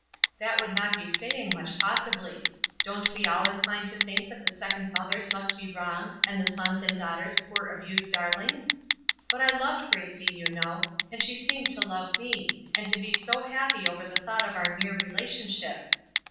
That would not be saying much, possibly. Don't we all incline to think that the second mothers must be wrong, and the sons and daughters poor abused darlings? But I loved Gracie, you know, and she seemed to love me, and to be so happy over the thought of our near relationship.